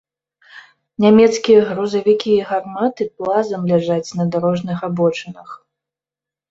Нямецкія грузавікі і гарматы плазам ляжаць на дарожных абочынах.